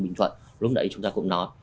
bình thuận lúc nãy chúng ta cũng nói